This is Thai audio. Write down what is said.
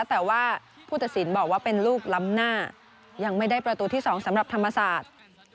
แต่ว่าผู้ตัดสินบอกว่าเป็นลูกล้ำหน้ายังไม่ได้ประตูที่๒สำหรับธรรมศาสตร์